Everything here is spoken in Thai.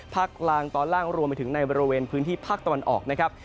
กลางตอนล่างรวมไปถึงในบริเวณพื้นที่ภาคตะวันออกนะครับ